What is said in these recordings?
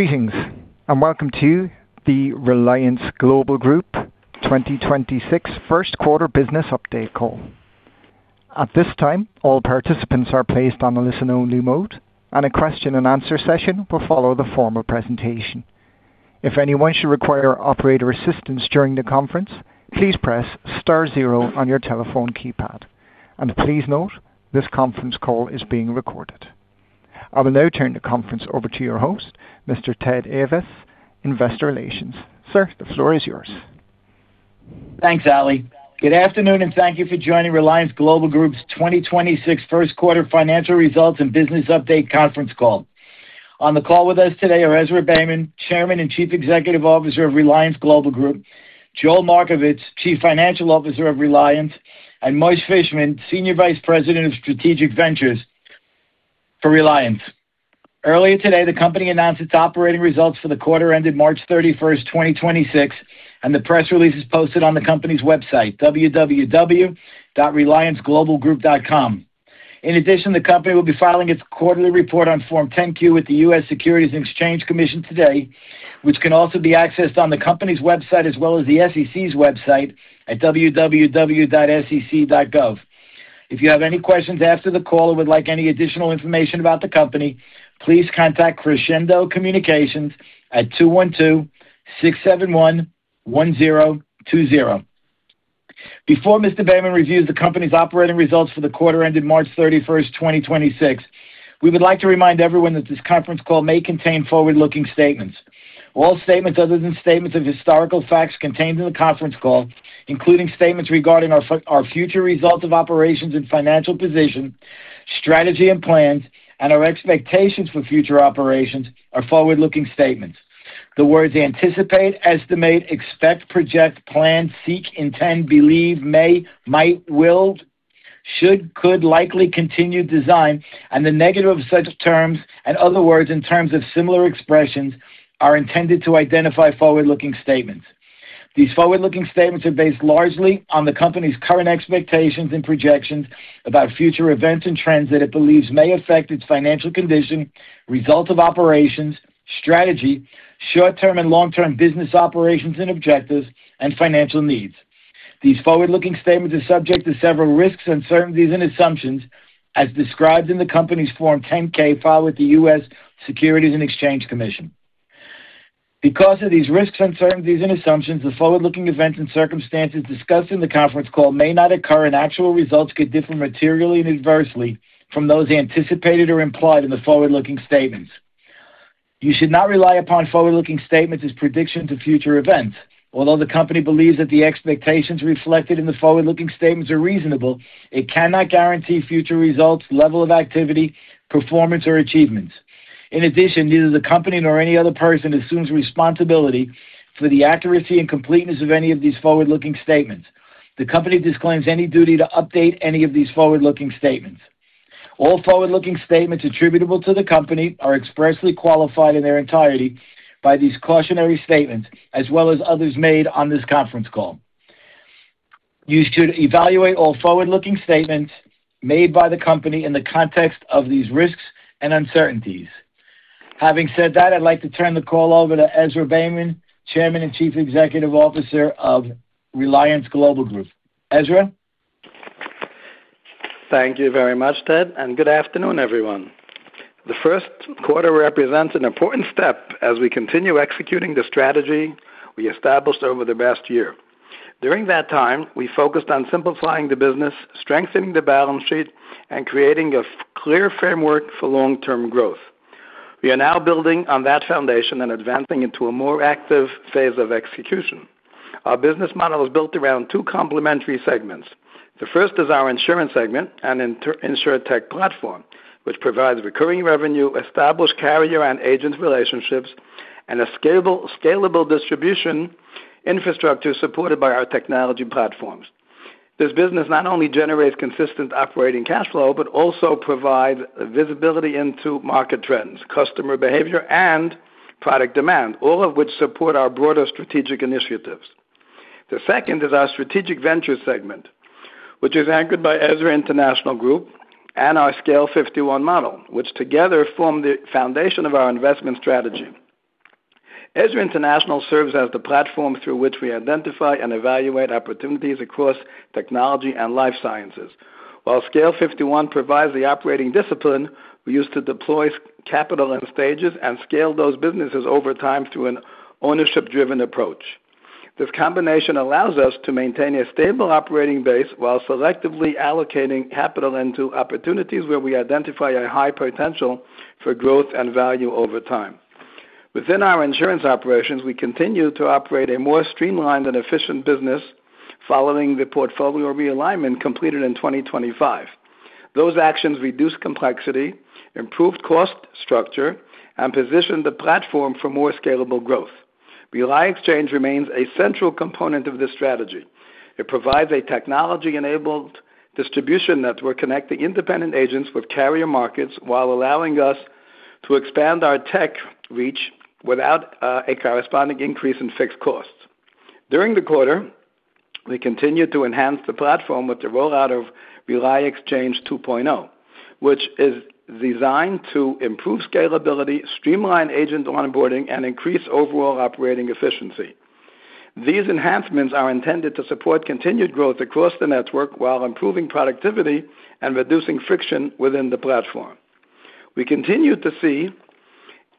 Greetings, and welcome to the Reliance Global Group 2026 first quarter business update call. At this time, all participants are placed on a listen-only mode, and a question-and-answer session will follow the formal presentation. If anyone should require operator assistance during the conference, please star zero on your telephone keypad, and please note this conference call is being recorded. I will now turn the conference over to your host, Mr. Ted Ayvas, Investor Relations. Sir, the floor is yours. Thanks, Ali. Good afternoon, thank you for joining Reliance Global Group's 2026 first quarter financial results and business update conference call. On the call with us today are Ezra Beyman, Chairman and Chief Executive Officer of Reliance Global Group, Joel Markovits, Chief Financial Officer of Reliance, Moshe Fishman, Senior Vice President of Strategic Ventures for Reliance. Earlier today, the company announced its operating results for the quarter ended March 31st, 2026, the press release is posted on the company's website, www.relianceglobalgroup.com. In addition, the company will be filing its quarterly report on Form 10-Q with the U.S. Securities and Exchange Commission today, which can also be accessed on the company's website as well as the SEC's website at www.sec.gov. If you have any questions after the call or would like any additional information about the company, please contact Crescendo Communications at 212-671-1020. Before Mr. Beyman reviews the company's operating results for the quarter ended March 31st, 2026, we would like to remind everyone that this conference call may contain forward-looking statements. All statements other than statements of historical facts contained in the conference call, including statements regarding our future results of operations and financial position, strategy and plans, and our expectations for future operations are forward-looking statements. The words anticipate, estimate, expect, project, plan, seek, intend, believe, may, might, will, should, could, likely, continue, design, and the negative of such terms and other words and terms of similar expressions are intended to identify forward-looking statements. These forward-looking statements are based largely on the company's current expectations and projections about future events and trends that it believes may affect its financial condition, results of operations, strategy, short-term and long-term business operations and objectives, and financial needs. These forward-looking statements are subject to several risks, uncertainties, and assumptions as described in the company's Form 10-K filed with the U.S. Securities and Exchange Commission. Because of these risks, uncertainties, and assumptions, the forward-looking events and circumstances discussed in the conference call may not occur, and actual results could differ materially and adversely from those anticipated or implied in the forward-looking statements. You should not rely upon forward-looking statements as predictions of future events. Although the company believes that the expectations reflected in the forward-looking statements are reasonable, it cannot guarantee future results, level of activity, performance, or achievements. In addition, neither the company nor any other person assumes responsibility for the accuracy and completeness of any of these forward-looking statements. The company disclaims any duty to update any of these forward-looking statements. All forward-looking statements attributable to the company are expressly qualified in their entirety by these cautionary statements as well as others made on this conference call. You should evaluate all forward-looking statements made by the company in the context of these risks and uncertainties. Having said that, I'd like to turn the call over to Ezra Beyman, Chairman and Chief Executive Officer of Reliance Global Group. Ezra? Thank you very much, Ted, and good afternoon, everyone. The first quarter represents an important step as we continue executing the strategy we established over the past year. During that time, we focused on simplifying the business, strengthening the balance sheet, and creating a clear framework for long-term growth. We are now building on that foundation and advancing into a more active phase of execution. Our business model is built around two complementary segments. The first is our insurance segment and InsurTech platform, which provides recurring revenue, established carrier and agent relationships, and a scalable distribution infrastructure supported by our technology platforms. This business not only generates consistent operating cash flow, but also provide visibility into market trends, customer behavior, and product demand, all of which support our broader strategic initiatives. The second is our strategic venture segment, which is anchored by EZRA International Group and our Scale51 model, which together form the foundation of our investment strategy. EZRA International serves as the platform through which we identify and evaluate opportunities across technology and life sciences. While Scale51 provides the operating discipline we use to deploy capital in stages and scale those businesses over time through an ownership-driven approach. This combination allows us to maintain a stable operating base while selectively allocating capital into opportunities where we identify a high potential for growth and value over time. Within our insurance operations, we continue to operate a more streamlined and efficient business following the portfolio realignment completed in 2025. Those actions reduced complexity, improved cost structure, and positioned the platform for more scalable growth. RELI Exchange remains a central component of this strategy. It provides a technology-enabled distribution network connecting independent agents with carrier markets while allowing us to expand our tech reach without a corresponding increase in fixed costs. During the quarter, we continued to enhance the platform with the rollout of RELI Exchange 2.0, which is designed to improve scalability, streamline agent onboarding, and increase overall operating efficiency. These enhancements are intended to support continued growth across the network while improving productivity and reducing friction within the platform. We continue to see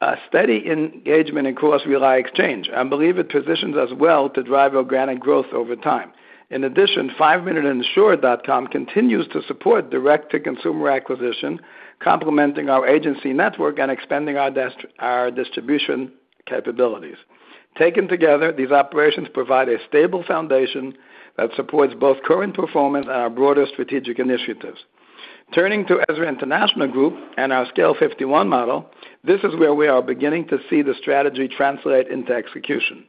a steady engagement across RELI Exchange and believe it positions us well to drive organic growth over time. In addition, 5MinuteInsure.com continues to support direct-to-consumer acquisition, complementing our agency network and expanding our distribution capabilities. Taken together, these operations provide a stable foundation that supports both current performance and our broader strategic initiatives. Turning to EZRA International Group and our Scale51 model, this is where we are beginning to see the strategy translate into execution.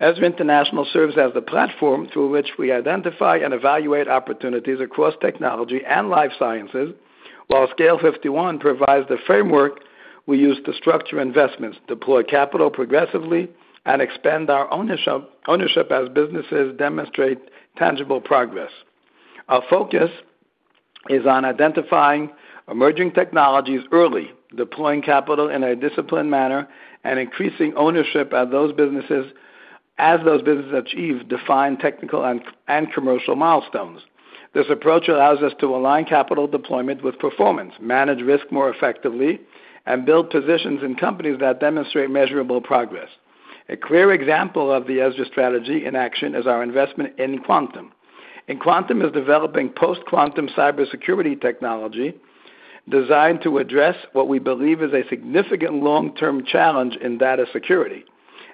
EZRA International serves as the platform through which we identify and evaluate opportunities across technology and life sciences, while Scale51 provides the framework we use to structure investments, deploy capital progressively, and expand our ownership as businesses demonstrate tangible progress. Our focus is on identifying emerging technologies early, deploying capital in a disciplined manner, and increasing ownership at those businesses as those businesses achieve defined technical and commercial milestones. This approach allows us to align capital deployment with performance, manage risk more effectively, and build positions in companies that demonstrate measurable progress. A clear example of the EZRA strategy in action is our investment in Enquantum. Enquantum is developing post-quantum cybersecurity technology designed to address what we believe is a significant long-term challenge in data security.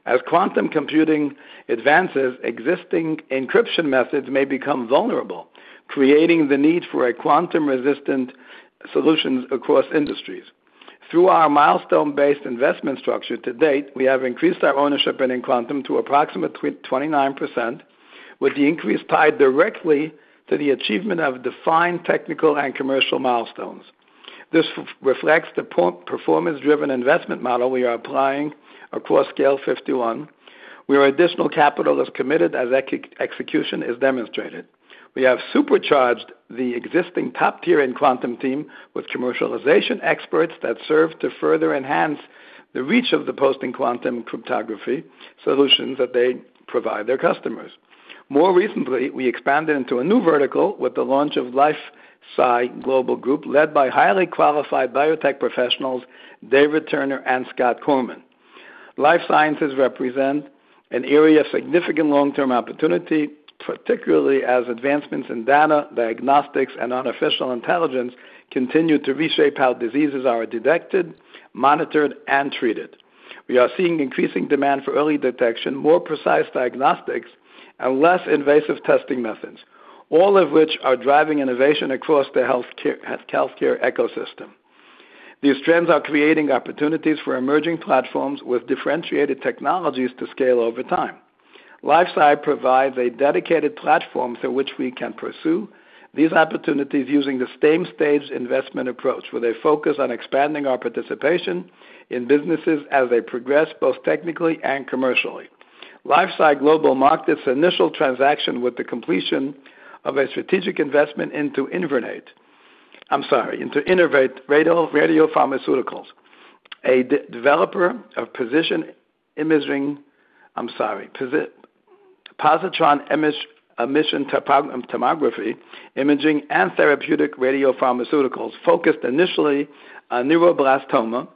As quantum computing advances, existing encryption methods may become vulnerable, creating the need for a quantum-resistant solutions across industries. Through our milestone-based investment structure to date, we have increased our ownership in Enquantum to approximately 29%, with the increase tied directly to the achievement of defined technical and commercial milestones. This reflects the performance driven investment model we are applying across Scale51, where additional capital is committed as execution is demonstrated. We have supercharged the existing top-tier Enquantum team with commercialization experts that serve to further enhance the reach of the post-quantum cryptography solutions that they provide their customers. More recently, we expanded into a new vertical with the launch of LifeSci Global Group, led by highly qualified biotech professionals David Turner and Scott Korman. Life sciences represent an area of significant long-term opportunity, particularly as advancements in data, diagnostics, and artificial intelligence continue to reshape how diseases are detected, monitored, and treated. We are seeing increasing demand for early detection, more precise diagnostics, and less invasive testing methods, all of which are driving innovation across the healthcare ecosystem. These trends are creating opportunities for emerging platforms with differentiated technologies to scale over time. LifeSci provides a dedicated platform through which we can pursue these opportunities using the same stage investment approach, where they focus on expanding our participation in businesses as they progress both technically and commercially. LifeSci Global marked its initial transaction with the completion of a strategic investment into Innervate. Into Innervate Radiopharmaceuticals, a developer of positron imaging, positron emission tomography imaging, and therapeutic radiopharmaceuticals, focused initially on neuroblastoma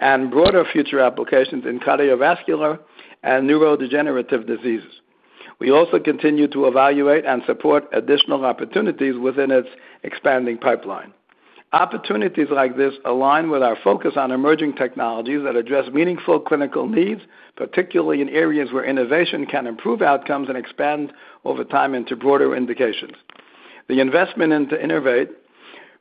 and broader future applications in cardiovascular and neurodegenerative diseases. We also continue to evaluate and support additional opportunities within its expanding pipeline. Opportunities like this align with our focus on emerging technologies that address meaningful clinical needs, particularly in areas where innovation can improve outcomes and expand over time into broader indications. The investment into Innervate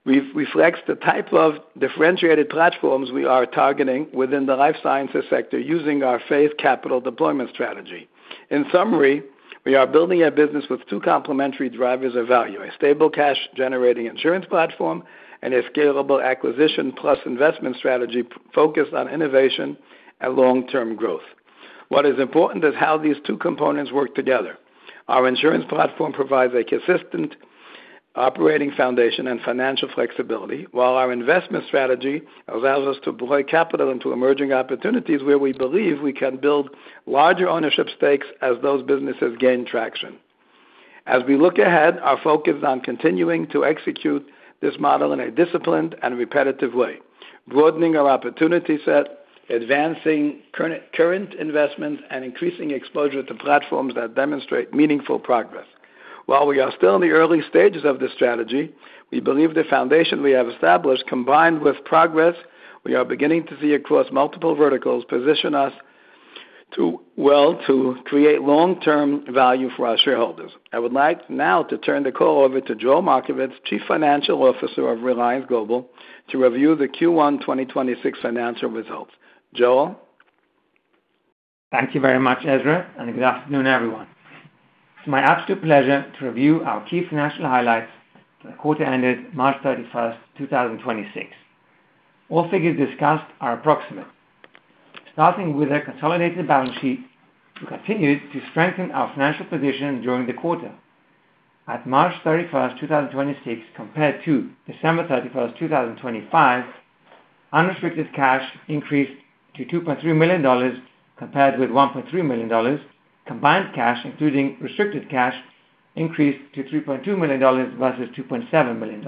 reflects the type of differentiated platforms we are targeting within the life sciences sector using our phased capital deployment strategy. In summary, we are building a business with two complementary drivers of value: a stable, cash-generating insurance platform and a scalable acquisition plus investment strategy focused on innovation and long-term growth. What is important is how these two components work together. Our insurance platform provides a consistent operating foundation and financial flexibility, while our investment strategy allows us to deploy capital into emerging opportunities where we believe we can build larger ownership stakes as those businesses gain traction. As we look ahead, our focus is on continuing to execute this model in a disciplined and repetitive way, broadening our opportunity set, advancing current investments, and increasing exposure to platforms that demonstrate meaningful progress. While we are still in the early stages of this strategy, we believe the foundation we have established, combined with progress we are beginning to see across multiple verticals, position us well to create long-term value for our shareholders. I would like now to turn the call over to Joel Markovits, Chief Financial Officer of Reliance Global, to review the Q1 2026 financial results. Joel? Thank you very much, Ezra, and good afternoon, everyone. It's my absolute pleasure to review our key financial highlights for the quarter ended March 31st, 2026. All figures discussed are approximate. Starting with our consolidated balance sheet, we continued to strengthen our financial position during the quarter. At March 31st, 2026, compared to December 31st, 2025, unrestricted cash increased to $2.3 million compared with $1.3 million. Combined cash, including restricted cash, increased to $3.2 million versus $2.7 million.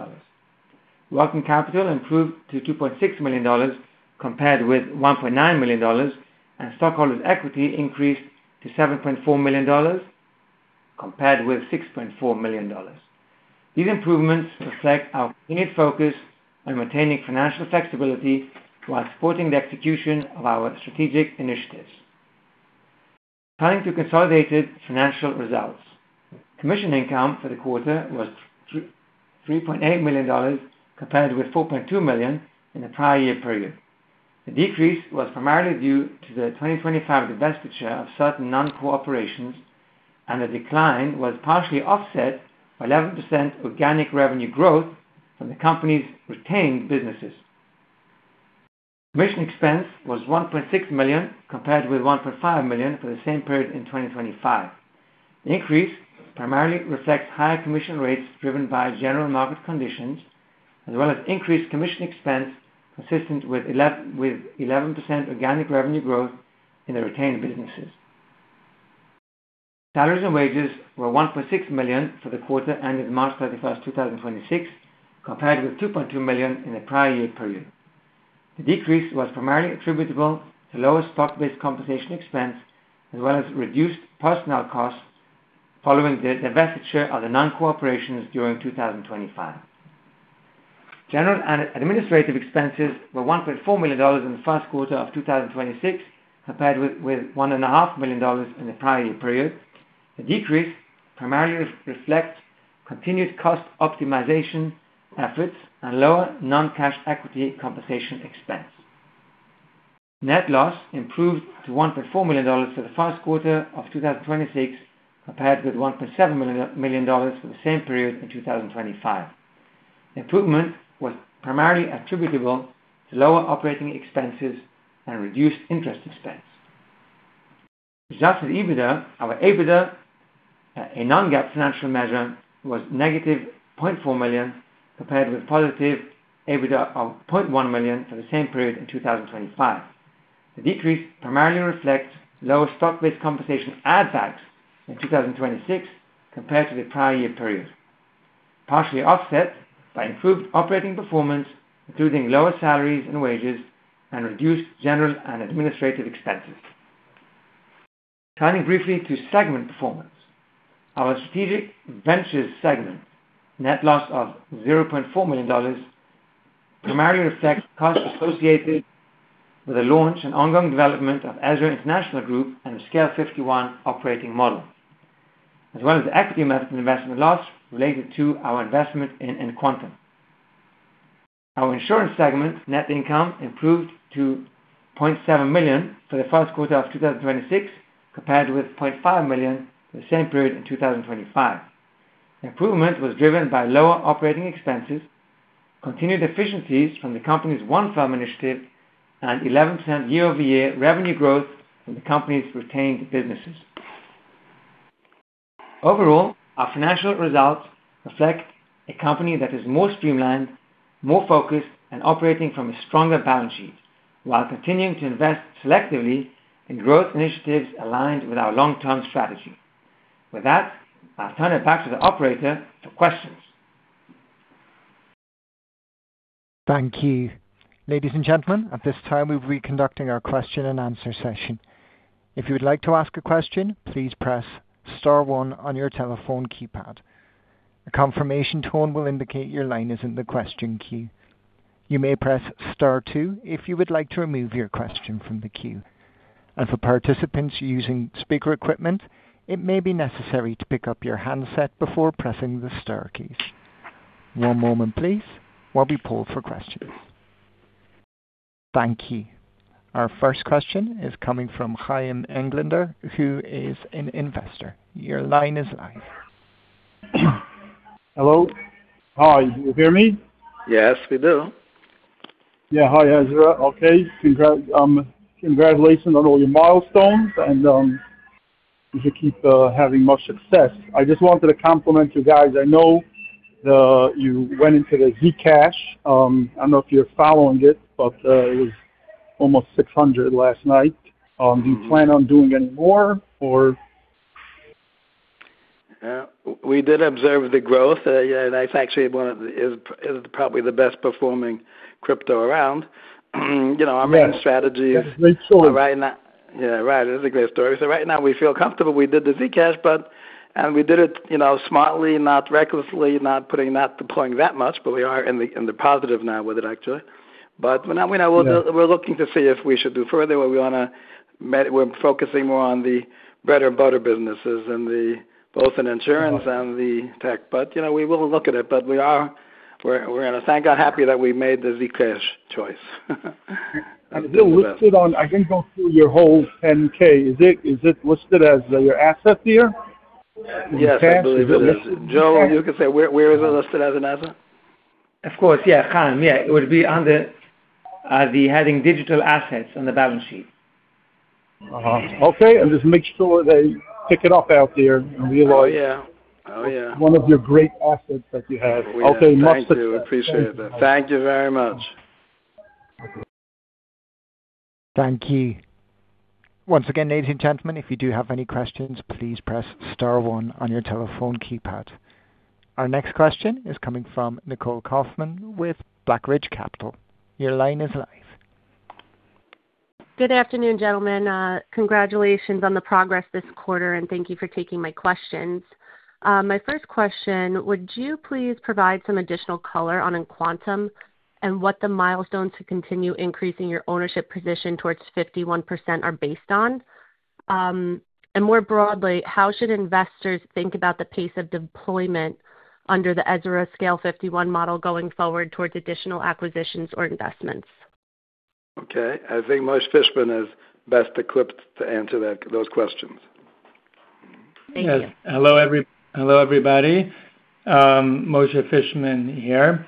Working capital improved to $2.6 million compared with $1.9 million, and stockholders' equity increased to $7.4 million compared with $6.4 million. These improvements reflect our continued focus on maintaining financial flexibility while supporting the execution of our strategic initiatives. Turning to consolidated financial results. Commission income for the quarter was $3.8 million compared with $4.2 million in the prior year period. The decrease was primarily due to the 2025 divestiture of certain non-core operations, and the decline was partially offset by 11% organic revenue growth from the company's retained businesses. Commission expense was $1.6 million compared with $1.5 million for the same period in 2025. The increase primarily reflects higher commission rates driven by general market conditions as well as increased commission expense consistent with 11% organic revenue growth in the retained businesses. Salaries and wages were $1.6 million for the quarter ending March 31st, 2026, compared with $2.2 million in the prior year period. The decrease was primarily attributable to lower stock-based compensation expense, as well as reduced as well as reduced personnel costs following the divestiture of the non-core operations during 2025. General and administrative expenses were $1.4 million in the first quarter of 2026, compared with $1.5 million in the prior year period. The decrease primarily reflects continued cost optimization efforts and lower non-cash equity compensation expense. Net loss improved to $1.4 million for the first quarter of 2026, compared with $1.7 million for the same period in 2025. The improvement was primarily attributable to lower operating expenses and reduced interest expense. EBITDA, our AEBITDA, a non-GAAP financial measure, was -$0.4 million compared with EBITDA of +$0.1 million for the same period in 2025. The decrease primarily reflects lower stock-based compensation add-backs in 2026 compared to the prior year period, partially offset by improved operating performance, including lower salaries and wages and reduced general and administrative expenses. Turning briefly to segment performance. Our strategic ventures segment net loss of $0.4 million primarily affects costs associated with the launch and ongoing development of EZRA International Group and the Scale51 operating model, as well as equity investment loss related to our investment in Enquantum. Our insurance segment net income improved to $0.7 million for the first quarter of 2026 compared with $0.5 million for the same period in 2025. The improvement was driven by lower operating expenses, continued efficiencies from the company's One-Firm initiative, and 11% year-over-year revenue growth from the company's retained businesses. Overall, our financial results reflect a company that is more streamlined, more focused, and operating from a stronger balance sheet while continuing to invest selectively in growth initiatives aligned with our long-term strategy. With that, I'll turn it back to the operator for questions. Thank you. Ladies and gentlemen, at this time, we'll be conducting our question and answer session. If you would like to ask a question, please press star one on your telephone keypad. A confirmation tone will indicate your line is in the question queue. You may press star two if you would like to remove your question from the queue. As for participants using speaker equipment, it may be necessary to pick up your handset before pressing the star keys. One moment please while we poll for questions. Thank you. Our first question is coming from Chaim Englander, who is an investor. Your line is live. Hello. Hi, you hear me? Yes, we do. Yeah, hi, Ezra. Okay. Congratulations on all your milestones, and you keep having much success. I just wanted to compliment you guys. I know you went into the Zcash. I don't know if you're following it, but it was almost $600 last night. Do you plan on doing any more? Yeah, we did observe the growth. Yeah, that's actually one of the is probably the best performing crypto around. You know, our main strategy. Yeah, that's a great story. Right now. Yeah, right. It is a great story. Right now we feel comfortable we did the Zcash, and we did it, you know, smartly, not recklessly, not deploying that much, but we are in the positive now with it actually. For now, we know we're looking to see if we should do further or we're focusing more on the bread and butter businesses both in insurance and the tech. You know, we will look at it, but we're, thank God, happy that we made the Zcash choice. I didn't go through your whole 10-K. Is it listed as your asset there? Yes, I believe it is. Joe, you can say where is it listed as an asset? Of course, yeah, Chaim. Yeah, it would be under the heading digital assets on the balance sheet. Okay. Just make sure they pick it up out there. Oh, yeah. Oh, yeah. One of your great assets that you have. Okay. Thank you. Appreciate that. Thank you very much. Thank you. Once again, ladies and gentlemen, if you do have any questions, please press star one on your telephone keypad. Our next question is coming from Nicole Kaufman with Blackridge Capital. Your line is live. Good afternoon, gentlemen. Congratulations on the progress this quarter, and thank you for taking my questions. My first question, would you please provide some additional color on Enquantum and what the milestones to continue increasing your ownership position towards 51% are based on? And more broadly, how should investors think about the pace of deployment under the Scale51 model going forward towards additional acquisitions or investments? Okay. I think Moshe Fishman is best equipped to answer that, those questions. Thank you. Yes. Hello, everybody. Moshe Fishman here.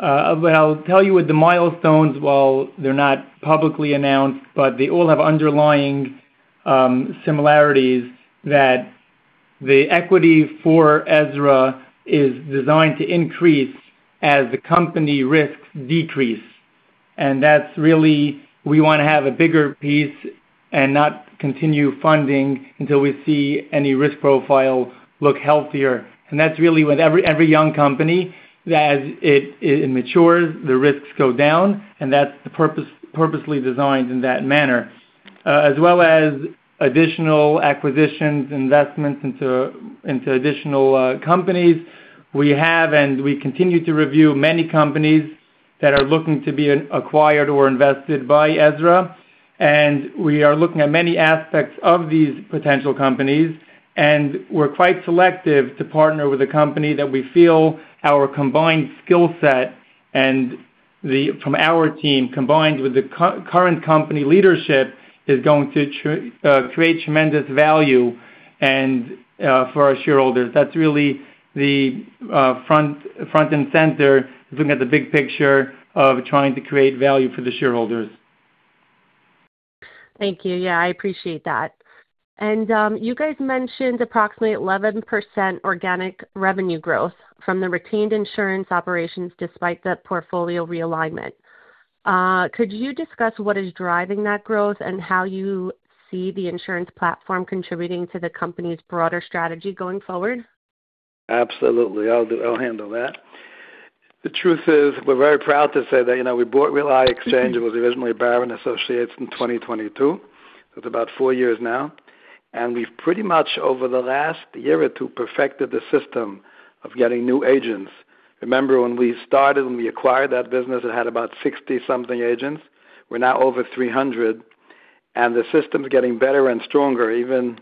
I'll tell you with the milestones, while they're not publicly announced, they all have underlying similarities that the equity for Ezra is designed to increase as the company risks decrease. That's really we wanna have a bigger piece and not continue funding until we see any risk profile look healthier. That's really with every young company. As it matures, the risks go down, and that's purposely designed in that manner. As well as additional acquisitions, investments into additional companies. We have, we continue to review many companies that are looking to be acquired or invested by Ezra. We are looking at many aspects of these potential companies, and we're quite selective to partner with a company that we feel our combined skill set and the from our team, combined with the current company leadership, is going to create tremendous value and for our shareholders. That's really the front and center, looking at the big picture of trying to create value for the shareholders. Thank you. Yeah, I appreciate that. You guys mentioned approximately 11% organic revenue growth from the retained insurance operations despite the portfolio realignment. Could you discuss what is driving that growth and how you see the insurance platform contributing to the company's broader strategy going forward? Absolutely. I'll handle that. The truth is, we're very proud to say that, you know, we bought RELI Exchange, it was originally Barra & Associates, in 2022. It's about four years now. We've pretty much, over the last year or two, perfected the system of getting new agents. Remember when we started, when we acquired that business, it had about 60-something agents. We're now over 300, and the system's getting better and stronger even,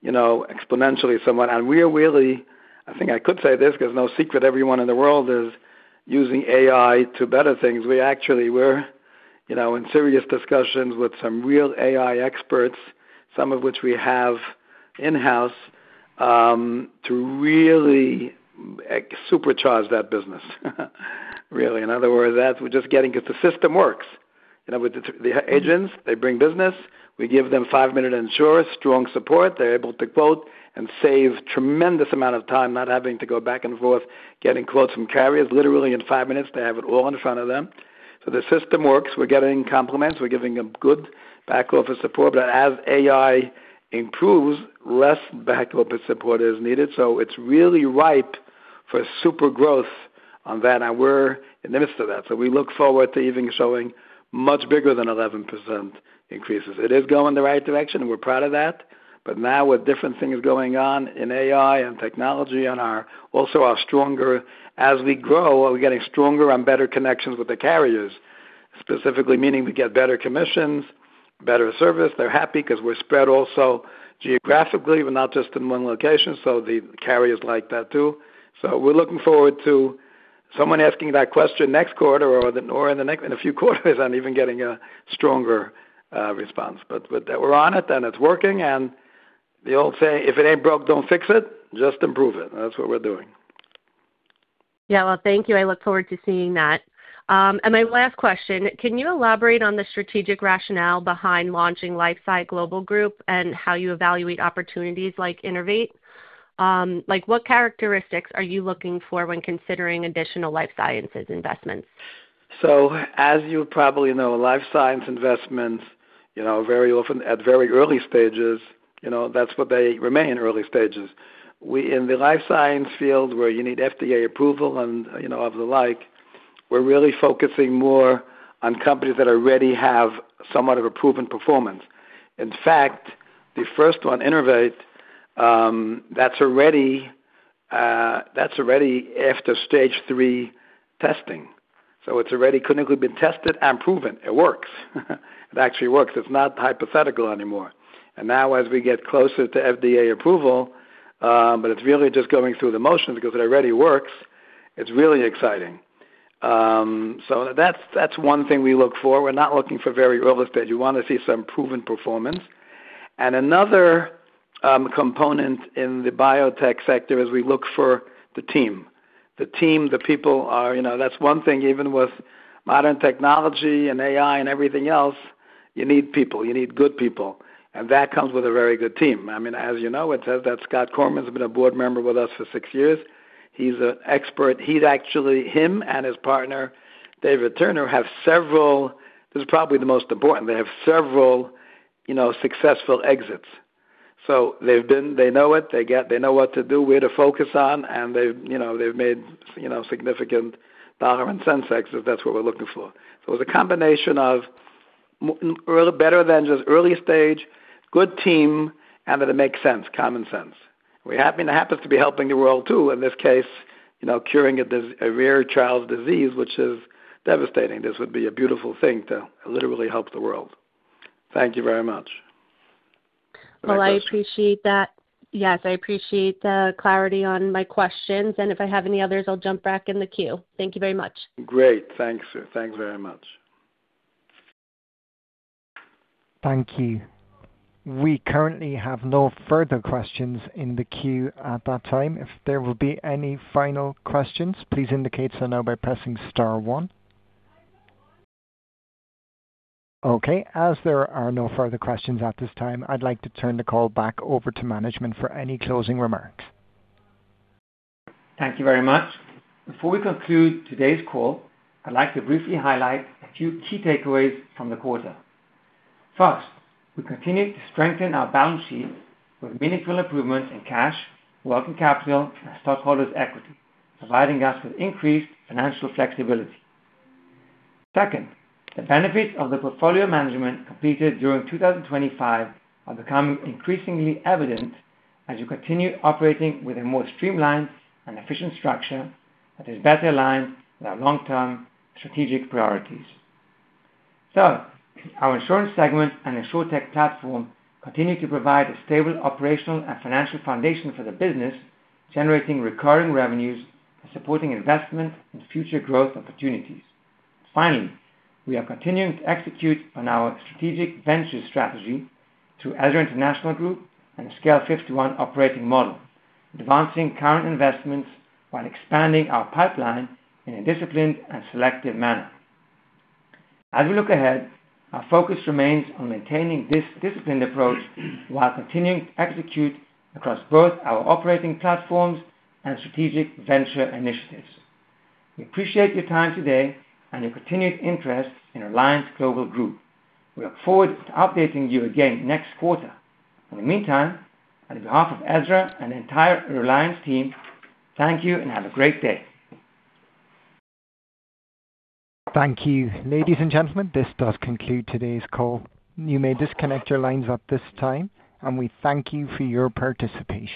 you know, exponentially somewhat. We are really, I think I could say this 'cause no secret, everyone in the world is using AI to better things. We actually we're, you know, in serious discussions with some real AI experts, some of which we have in-house, to really supercharge that business. Really. In other words, that's we're just getting if the system works. You know, with the agents, they bring business. We give them 5MinuteInsure, strong support. They're able to quote and save tremendous amount of time not having to go back and forth, getting quotes from carriers. Literally in five minutes, they have it all in front of them. The system works. We're getting compliments. We're giving them good back office support. As AI improves, less back office support is needed. It's really ripe for super growth on that, and we're in the midst of that. We look forward to even showing much bigger than 11% increases. It is going the right direction, and we're proud of that. Now with different things going on in AI and technology and our also our stronger as we grow, we're getting stronger and better connections with the carriers, specifically meaning we get better commissions, better service. They're happy because we're spread also geographically. We're not just in one location, the carriers like that too. We're looking forward to someone asking that question next quarter or in the next, in a few quarters and even getting a stronger response. We're on it, and it's working. The old saying, if it ain't broke, don't fix it, just improve it. That's what we're doing. Yeah. Well, thank you. I look forward to seeing that. My last question, can you elaborate on the strategic rationale behind launching LifeSci Global Group LLC and how you evaluate opportunities like Innervate? Like, what characteristics are you looking for when considering additional life sciences investments? As you probably know, life science investments, you know, very often at very early stages, you know, that's what they remain, early stages. In the life science field where you need FDA approval and, you know, of the like, we're really focusing more on companies that already have somewhat of a proven performance. In fact, the first one, Innervate, that's already after stage three testing. It's already clinically been tested and proven. It works. It actually works. It's not hypothetical anymore. Now as we get closer to FDA approval, but it's really just going through the motions because it already works, it's really exciting. That's one thing we look for. We're not looking for very early stage. We wanna see some proven performance. Another component in the biotech sector is we look for the team. The team, the people are, you know. That's one thing, even with modern technology and AI and everything else, you need people. You need good people. That comes with a very good team. I mean, as you know, it says that Scott Korman's been a board member with us for six years. He's an expert. He's actually, him and his partner, David Turner, have several, you know, successful exits. This is probably the most important. They know it, they know what to do, where to focus on. They've, you know, made, you know, significant dollar and cent exits. That's what we're looking for. It's a combination of better than just early stage, good team, and that it makes sense, common sense. It happens to be helping the world too, in this case, you know, curing a rare child's disease, which is devastating. This would be a beautiful thing to literally help the world. Thank you very much. Well, I appreciate that. Yes, I appreciate the clarity on my questions, and if I have any others, I'll jump back in the queue. Thank you very much. Great. Thanks. Thanks very much. Thank you. We currently have no further questions in the queue at that time. If there will be any final questions, please indicate so now by pressing star one. Okay, as there are no further questions at this time, I'd like to turn the call back over to management for any closing remarks. Thank you very much. Before we conclude today's call, I'd like to briefly highlight a few key takeaways from the quarter. First, we continue to strengthen our balance sheet with meaningful improvements in cash, working capital, and stockholders' equity, providing us with increased financial flexibility. Second, the benefits of the portfolio management completed during 2025 are becoming increasingly evident as we continue operating with a more streamlined and efficient structure that is better aligned with our long-term strategic priorities. Third, our insurance segment and InsurTech platform continue to provide a stable operational and financial foundation for the business, generating recurring revenues and supporting investment and future growth opportunities. Finally, we are continuing to execute on our strategic ventures strategy through EZRA International Group and Scale51 operating model, advancing current investments while expanding our pipeline in a disciplined and selective manner. As we look ahead, our focus remains on maintaining this disciplined approach while continuing to execute across both our operating platforms and strategic venture initiatives. We appreciate your time today and your continued interest in Reliance Global Group. We look forward to updating you again next quarter. In the meantime, on behalf of Ezra and the entire Reliance team, thank you and have a great day. Thank you. Ladies and gentlemen, this does conclude today's call. You may disconnect your lines at this time, and we thank you for your participation.